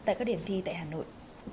tại các điểm thi tại hà nội